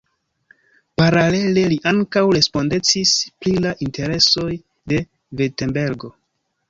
Paralele li ankaŭ respondecis pri la interesoj de Virtembergo.